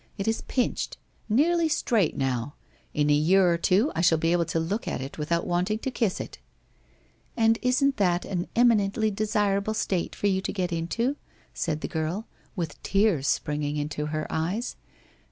It is pinched — nearly straight now ! In a year or two, I shall be able to look at it without wanting to kiss it/ ' And isn't that an eminently desirable state for you to get into ?' said the girl, with tears springing into her eyes.